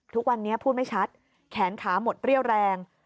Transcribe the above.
ทุกวันนี้พูดไม่ชัดแขนขาหมดเรี่ยวแรง